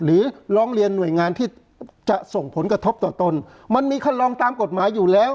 หรือร้องเรียนหน่วยงานที่จะส่งผลกระทบต่อตนมันมีคันลองตามกฎหมายอยู่แล้ว